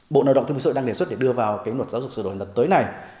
bộ lao động thương sội đang đề xuất để đưa vào cái luật giáo dục sửa đổi lần tới này